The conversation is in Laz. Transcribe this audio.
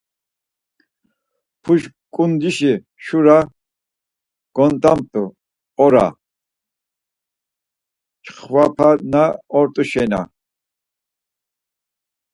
Puşǩundişi şura gont̆amt̆u ora çxvapa na ort̆u şena.